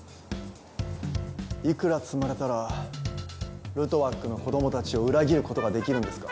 幾ら積まれたらルトワックの子供たちを裏切ることができるんですか。